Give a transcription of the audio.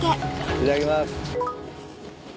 いただきます。